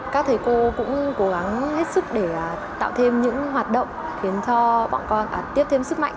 các thầy cô cũng cố gắng hết sức để tạo thêm những hoạt động khiến cho bọn con tiếp thêm sức mạnh